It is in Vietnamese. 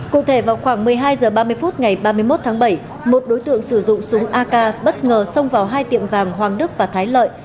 cụ thể vào khoảng một mươi hai h ba mươi phút ngày ba mươi một tháng bảy một đối tượng sử dụng súng ak bất ngờ xông vào hai tiệm vàng hoàng đức và thái lợi